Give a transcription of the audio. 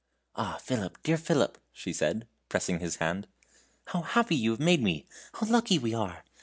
"Ah, Philip, dear Philip," she said, pressing his hand, "how happy you have made me! how lucky we are!